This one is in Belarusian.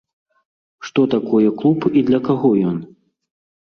Што такое клуб і для каго ён?